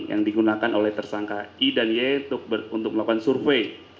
yang digunakan oleh tersangka i dan y untuk melakukan survei